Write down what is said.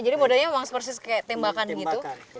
jadi modelnya memang seperti tembakan gitu